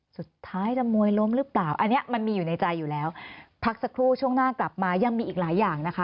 สุดท้ายจะมวยล้มหรือเปล่าอันนี้มันมีอยู่ในใจอยู่แล้วพักสักครู่ช่วงหน้ากลับมายังมีอีกหลายอย่างนะคะ